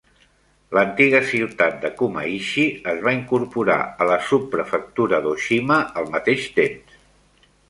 L'antiga ciutat de Kumaishi es va incorporar a la subprefectura d'Oshima al mateix temps.